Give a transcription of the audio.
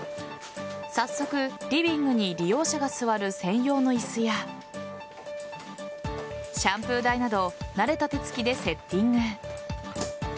早速、リビングに利用者が座る専用の椅子やシャンプー台など慣れた手付きでセッティング。